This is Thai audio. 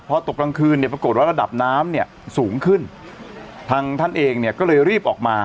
พอตกกลางคืนเนี่ยปรากฏว่าระดับน้ำเนี่ยสูงขึ้นทางท่านเองเนี่ยก็เลยรีบออกมา